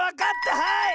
はい！